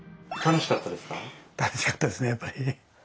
楽しかったですねやっぱり。